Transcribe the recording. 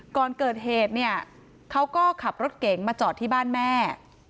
ก่อนเกิดเหตุเนี่ยเขาก็ขับรถเก๋งมาจอดที่บ้านแม่